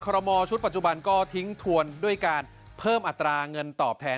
รมอลชุดปัจจุบันก็ทิ้งทวนด้วยการเพิ่มอัตราเงินตอบแทน